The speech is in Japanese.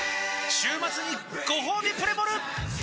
週末にごほうびプレモル！